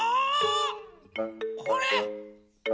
これ。